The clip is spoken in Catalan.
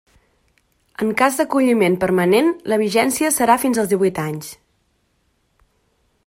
En cas d'acolliment permanent la vigència serà fins als díhuit anys.